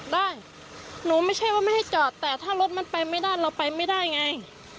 ได้หนูไม่ใช่ว่าไม่ให้จอดแต่ถ้ารถมันไปไม่ได้เราไปไม่ได้ไง